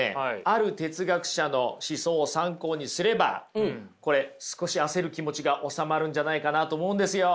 ある哲学者の思想を参考にすればこれ少し焦る気持ちが収まるんじゃないかなと思うんですよ。